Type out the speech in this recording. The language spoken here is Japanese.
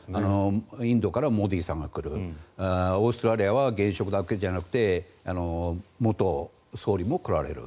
インドからモディさんが来るオーストラリアは現職だけじゃなくて元総理も来られる。